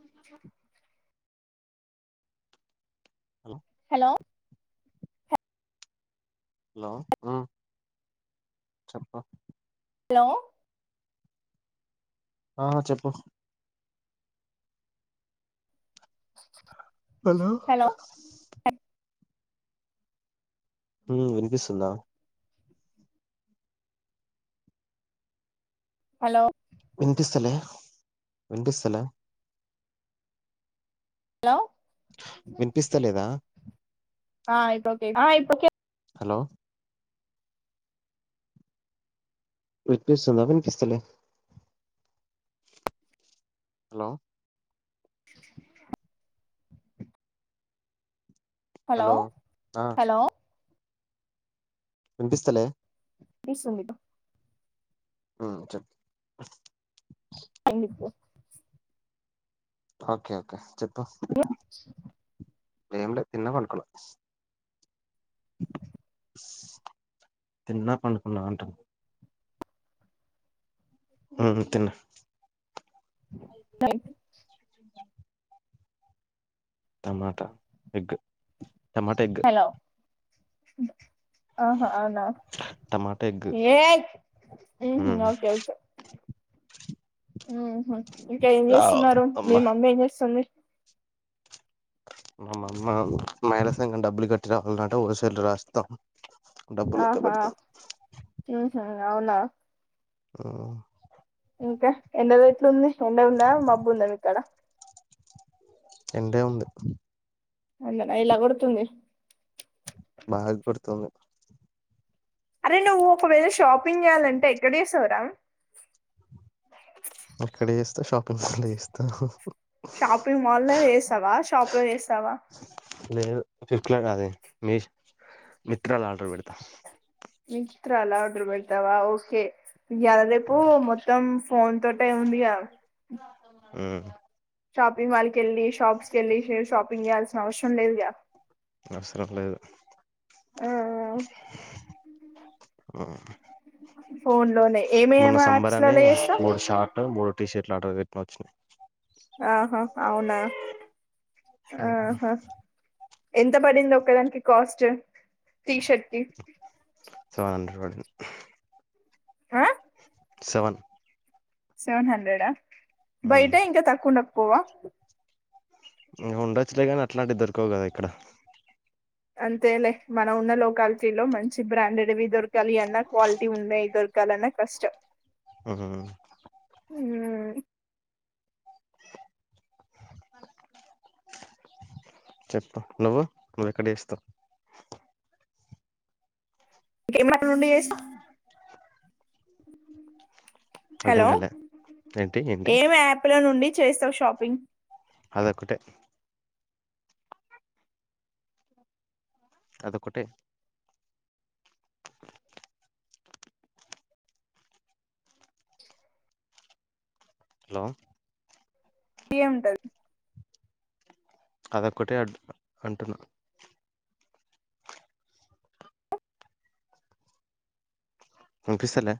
అ hello hello hello ఉమ్ చెప్ప hello ఆ చెప్పు హలో ఉమ్ వినిపిస్తుందా హలో వినిపిస్తలే వినిపిస్తలే హలో వినిపిస్త లేదా ఆ ఇప్పుడు ఒకే ఆ ఇప్పుడు ఒకే హలో వినిపిస్తున్న వినిపిస్తలే హలో హలో ఆ హలో వినిపిస్తలే పిస్తుంది ఆ చెప్ ఏం చెప్పు ఓకే ఓకే చెప్పు ఎ ఏం లే తిన్న పడుకున్న తిన్న పండుకున్న అంటాన్న మ్మ్ తిన్న అయిపోయింది టమాటా ఎగ్ టమాట ఎగ్ మ్మ్ ఆహా అవునా టమాటా ఎగ్ ఏయ్ హ్మ్ హు ఉమ్ ఓకే కే హ్మ్ హు ఇంకా ఏం అవ్ చేస్తున్నారు మీ అమ్మా మమ్మి ఏం చేస్తుంది మా మమ్మ మైళా సంఘం డబ్బులు కట్టి రావాలన్నంట హోల్సేల్ రాస్తాం డబ్బులు లెక్క ఆహా పెడతాం హ్మ్ హు అవునా మ్మ్ ఇంకా వెన్నెల ఎట్లుంది ఎండ ఉందా మబ్బు ఉండే ఇక్కడ ఎండే ఉంది అందనా ఇలా కొడుతుంది బాగా కొడుతుంది అరే నువ్వు ఒకవేళ షాపింగ్ చేయాలంటే ఎక్కడ చేస్తావు రా అక్కడే చేస్తా షాపింగ్ల్ చేస్తా షాపింగ్ మాల్ లో చేసావా షాప్ లో చేసావా లేదు ఫ్లిప్లకాదే మీష్ మిత్రాల ఆర్డర్ పెడతా మిత్రా ల ఆర్డర్ పెట్టావా ఓకె ఈయల రేపు మొత్తం ఫోన్ తోటే ఉంది గద మ్మ్ చప్ పింగ్ మాల్క్ వెళ్ళి షాప్స్కెళ్ళి షాపింగ్ చేయాల్సిన అవసరం లేదు అవసరం లేదు మ్మ్ ఫోన్ లోనే మొన్న ఏమేమి యాప్స్ సంబరనీ లలో చేస్తావ్ మూడు షార్ట్ మూడ్ టీ షర్ట్లు ఆర్డర్ పెట్టినా వచ్చినాయి. ఆహ అవునా? ఆహ ఎంత పడింది ఒకదానికి కాస్ట్? టీషర్ట్ కి సెవెన్ హండ్రెడ్ పడిం ఆ సెవెన్ సెవెన్ హండ్రెడా? ఉమ్, బయట ఇంకా తక్కువున్న ప్ పోవా ఇగ ఉండొచ్చులే గానీ, అట్లాంటివి దొరకవు కదా ఇక్కడ అంతేలే మనం ఉన్న లోకాలిటీ లో మంచి బ్రాండెడ్వి దొర్ కాలి అన్నా క్వాలిటీ ఉండేయి దొర్ కాలన్న కష్టం. ఉహ్మ్ ఇంకేం చెప్పు నువ్వు నువ్వెక్కడ చేస్తావ్? [unintelligible] యాప్ నుండి చేస్తా అర్థం హలో కాలే ఏంటి ఏంటి ఏం యాప్ లో నున్ డి చేస్తావు షాపింగ్ అదొక్కటే అదొక్కటే హలో యే ఉంటద్ అదొక్కటే అంటున్నా, అంటున్నా. పోపిస్తలే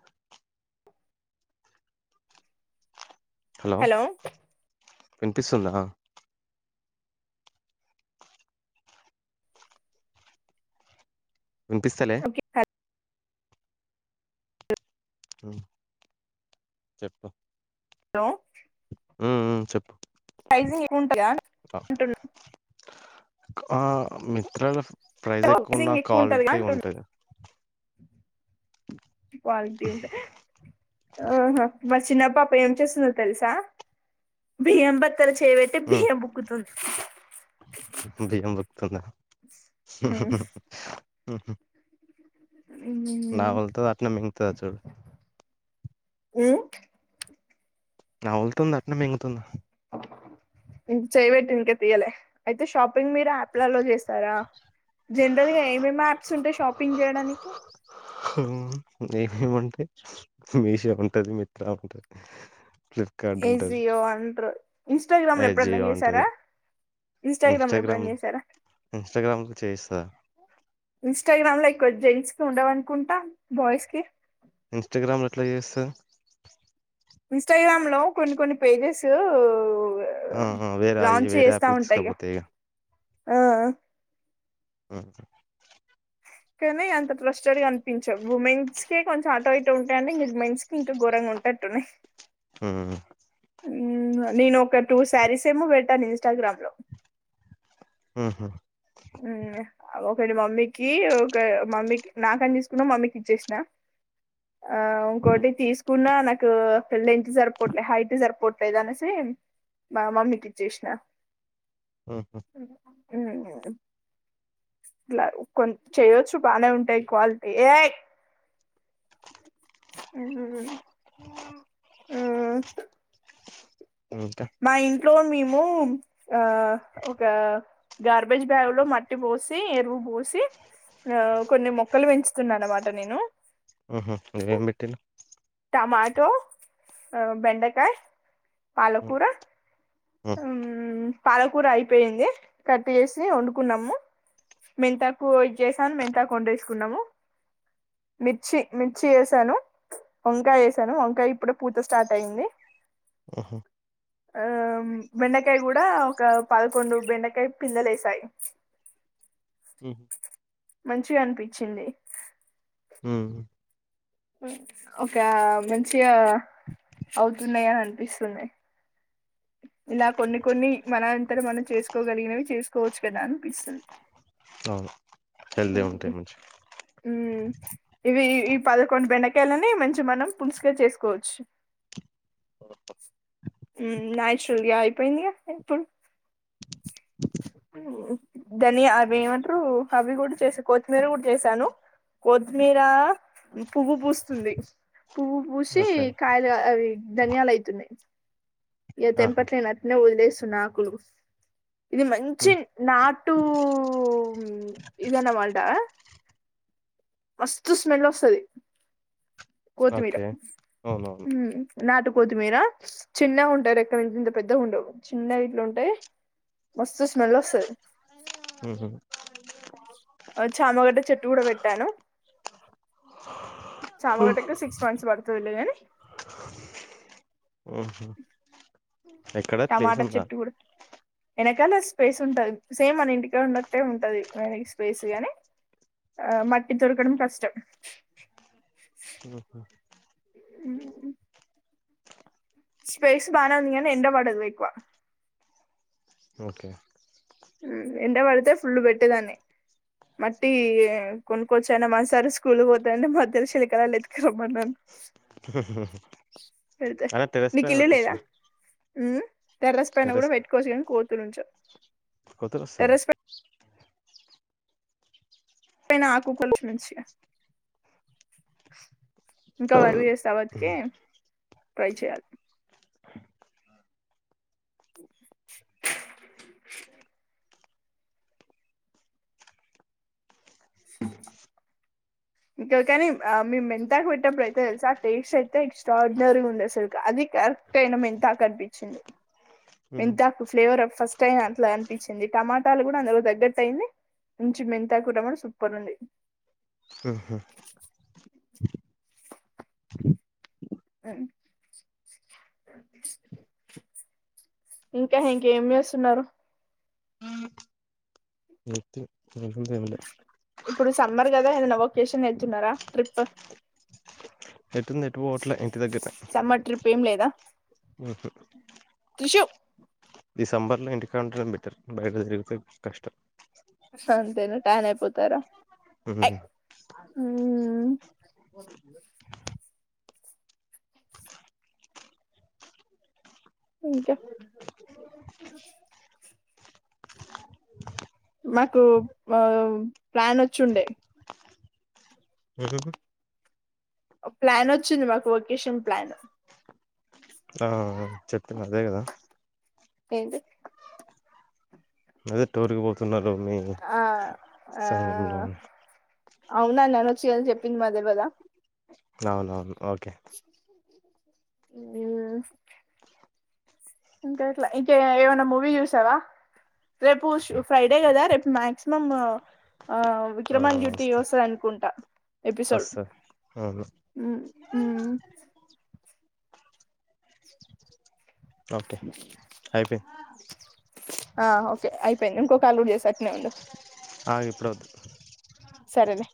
హలో వినిపిస్తుందా? వినిపిస్తలే? ఓకే హ్మ్ చెప్పు హలో మ్మ్ మ్మ్ చెప్పు ప్రైస్ [inaudible] టాయా ఆ, అంటున్నా ఆ మింత్రాలా [inaudible] ఎక్కువంటదిగా అంటున్నా క్వాలిటీ ఉంట హ్ ఆ హ్ బస్ చిన్న పాప ఏం చేస్తుందో తెలుసా బియ్యం బట్ క్కడ చెయ్ బెట్టి హ్మ్. బియ్యం బుక్కుతుంది. [unintelligible] ఉహు నా వతే ఆన మింగత అ చూ నవులుతుంది అట్నే మిగుతుందా ఇ చేయబెట్ ఇంకా తీయలే అయితే షాపింగ్ మీరు యాప్లలో చేస్తారా జనరల్ గా ఏమేమి యాప్స్ ఉంటాయి షాపింగ్ చేయడానికి ఏముంటాయి మీషో ఉంటది మిత్ర ఉంటది ఫ్లిప్కార్ట్ ఉంటది ఏజియో అంట్రో ఇన్స్టాగ్రామ్ లో ఏ ఎప్పుడన్నా జియో చేసారా ఉంటది ఇన్స్టాగ్రామ్ లో ఎప్పుడన్నా చేసారా ఇన్స్టాగ్రామ్ లో చేయిస్తా ఇన్స్టాగ్రామ్ లో ఎక్కువ జెంట్స్ సోండవన్కుంంట బాయస్కిర్ ఇన్స్టాగ్రామ్లు ఎట్లా చేస్తారు ఇన్స్టాగ్రామ్ లో కొన్ని కొన్ని పేజెస్ ఆ వేరే అయి లాంచ్ వేరే చేస్తా యాప్కి ఉంటాయి తీసుకపోతే ఇక ఆ ఆ కానీ అంత ట్రస్టెడ్ గా అనిపించాం ఉమెన్స్ కే కొంచెం ఆటో ఇటో ఉంటాయి అంటే ఇం మమెన్స్ కి ఇంకా ఘరంగా ఉంటటట్టున్నాయి ఆ నేను ఒక టూ శారీస్ ఏమో పెట్టాను ఇన్స్టాగ్రామ్ లో హహా ఒకటి మమ్మీకి ఒక మమ్మీకి నాకని తీసుకున్న మమ్మీకి ఇచ్చేసిన ఆ ఇంకోటి తీసుకున్నా నాకు పెళ్ళ ఎంత సరిపోట్లేదు హైట్ సరిపోట్లేదు అనేసి మా మమ్మీకి ఇచ్చేసిన ఆహా ఉ ఇలా కొ చేయొచ్చు బాగానే ఉంటాయి క్వాలిటీ ఏ ఆ ఇంకా ఇట్లో మేము ఆ ఒక గార్బేజ్ బ్యాగు్ లో మట్టి పోసి ఎరువు పోసి ఆ కొన్ని మొక్కలు పెంచుతున్నా అనమాట నేను ఏం ఏం పెట్టిలు టమాటో బెండకాయ పాలకూర ఆ ఉమ్, పాలకూర అయిపోయింది కట్ చేసి వండుకున్నాము మెంతాకు ఇది చేసాను మెంతాకు వండేసుకున్నాము మిర్చి మిర్చి వేసాను వంకాయ వేసాను వంకాయ ఇప్పుడ పూత స్టార్ట్ అయింది ఆహా ఆ బెండకాయ కూడా ఒక పదకొండు బెండకాయ పిందలేేశాయి హ మంచిగా అనిపించింది హ ఒక మంచిగా అవుతున్నాయి అని అనిపిస్తునాయ్ ఇలా కొన్ని కొన్ని మనంతర మనం చేసుకోగలిగినవి చేసుకోవచ్చు కదా అనిపిస్తుంది అవును. హెల్తీ ఉంటాయి మంచిగా. ఇవి పదకొండు బెండకాయలని మంచి మనం పుసుుగా చేసుకోవచ్చు ఉ నచరల్ అయిపోయిందిగా ఎప్పుడూ ఉ దని అవి ఏమంటారు అవి నేను కూడా చేసాను కొత్తిమీర కూడా చేసాను కొత్తిమీర పువ్వు పూస్తుంది పువ్వు పూసి ఓకే. కాయలు అవి ధనియాలు అయితున్నాయి ఇగ ఆహా! తెంపట్ను నావుఊలే సునాకులు ఇది మంచి హ్మ్. నాటు ఇదన్న మాట మస్తు స్మెల్ వస్తది కోతిమీర ఓకే. అవునవును. నాటు కోతి మీర చిన్న ఉంట రాకాలు ఇంత ఇంత పెద్ద ఉండవు చిన్న ఇట్లు ఉంటాయి మస్తు స్మెల్ ఒస్తది హుహు. చామగడ్డ చెట్టు కూడా పెట్టాను చామగడ్డ సిక్స్ మంత్స్ పడుతుందిలే గని హుహు. ఎక్కడ ప్లేస్ టమాటా ఉందా? చెట్టు కూడా కానీ ఆది స్పేస్ ఉంటది సేమ్ అన ఇంటికా ఉన్నట్టే ఉంటది మ సుగానే మటి తొరుకడం కష్టం ఓహో స్పేస్ బానే ఉందినగి ఎండ పడదు ఎక్కువ ఓకే ఉ ఎండ పడితే ఫులు పెట్టేదాన్ని మట్టి కొనుక్కొచ్చన మా సార్ స్కూల్ పోతాంటై మాదాల్ శైలికలల ఎతుక రమ్మన్నాను హు పేడితే మీకీ ఇల్లు లేదా ఉ తెర్రస్ పైన కూడా పెట్టుకోచ్చు కానీ కోతులుంచవ్ కోతులూస్తాయా అనా ఆకు కొల్ష్మంచి ఇంకావరు ఎస్తవత్క హ్మ్. ట్రై చేయాలి ఇంకా కానీ ఆ మేముమెంతాకు పెటిప్పుడు అయితే తెలుసా ఆ టేస్ట్ అయితే ఎక్స్ట్రాడినరీ ఉంది అసలు అది కరెక్ట్ అయినా ఎంతాకు అనిపించింది హ్మ్. మెంతాకు ఫ్లేవర్ ఫస్ట్ టయి అట్లా అనిపించింది టమాటాలు కూడా అందులో తగ్గట్టు అయింది మంచం మెంతాకు రమడం సూపర్ ఉంది ఆహా ఇంకా ఇంకేం చేస్తున్నారు ఏముంది ఎంలే ఇప్పుడు సమ్మర్ కదా ఏదైనా వకేషన్ వతున్నారా ట్రిప్ ఎటుంది ఎటు పోవట్లే ఇంటి సమ్మర్ ట్రిప్ ఏం లేదా? మ్మ్ హు క్రిషు డిసెంబర్ లో ఇంటికాడుండడం బెటర్. బయట తిరగటం కష్టం. సన్ తోను ట్యాన్ అయిపోతారా? ఐ. మ్మ్ ఉమ్, ఇంకా మాకు మా ప్లాన్ వచ్చుండే. హుహు. ఒ ప్లాన్ వచ్చింది మాకు. ఒకేషన్ ప్లాన్ మ్ చెప్తున్న అదే కదా? ఏంటి అదే టూరుగ్ బోతు న్నారని, ఆ సంగంలో అవునా నానోచ్చిగద చెప్పింద్ మాక్ తెల్వదా? అవునవును ఓకె మ్ ఆ ఇంకా ఎట్లా ఇంకా ఏవైనా మూవీ చూసావా? రేపు శు ఫ్రైడే కదా! రేపు మాక్సిమం ఆమ్ ఆ విక్రమ్ ఆన్ డ్యూటీ వస్తా వస్తదనుకుంటా ఎపిసోడ్. వస్తా అవును మ్మ్ మ్మ్ ఓకె అయిపైంది. ఆ ఆ ఓకె. అయిపోయింది. ఇంకో కాల్ గుడ చేస్తా అట్నే ఉండు. ఆ ఇప్పుడోద్దు. సరేలె